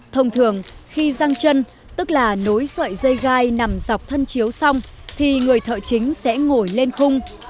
thông thường khi răng chân tức là nối sợi dây gai nằm dọc thân chiếu xong thì người thợ chính sẽ ngồi lên khung